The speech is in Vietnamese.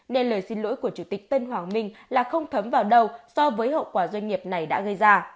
nên lời xin lỗi của chủ tịch tân hoàng minh là không thấm vào đầu so với hậu quả doanh nghiệp này đã gây ra